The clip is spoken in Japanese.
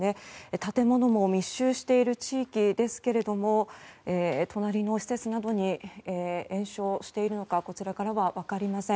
建物も密集している地域ですけれども隣の施設などに延焼しているのかこちらからは分かりません。